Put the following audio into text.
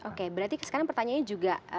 oke berarti sekarang pertanyaannya juga